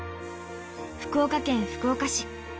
福岡県福岡市。